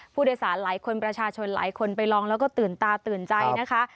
ผู้โดยสารหลายคนประชาชนหลายคนไปลองแล้วก็ตื่นตาตื่นใจนะคะ